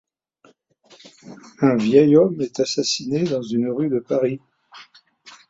Un vieil homme est assassiné dans une rue de Paris.